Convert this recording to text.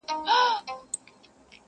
زما سترخان باندي که پیاز دی خو په نیاز دی,